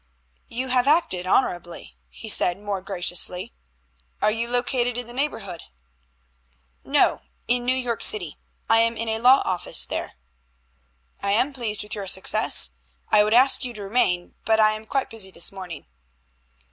"You have acted honorably," he said more graciously. "Are you located in the neighborhood?" "No, in New York City. I am in a law office there." "I am pleased with your success. I would ask you to remain, but I am quite busy this morning."